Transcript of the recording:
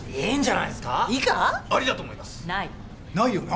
ないよな？